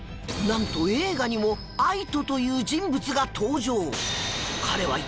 なんと映画にも ＡＩＴＯ という人物が登場